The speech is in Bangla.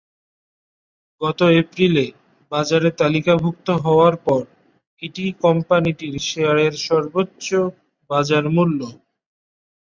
গত এপ্রিলে বাজারে তালিকাভুক্ত হওয়ার পর এটিই কোম্পানিটির শেয়ারের সর্বোচ্চ বাজারমূল্য।